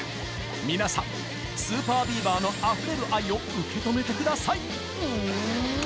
皆さんＳＵＰＥＲＢＥＡＶＥＲのあふれる愛を受け止めてください。